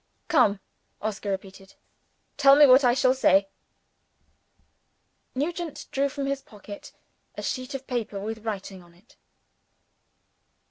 "Come!" Oscar repeated. "Tell me what I shall say." Nugent drew from his pocket a sheet of paper with writing on it.